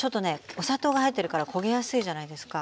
お砂糖が入ってるから焦げやすいじゃないですか。